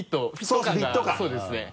そうですね。